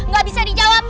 gak bisa dijawab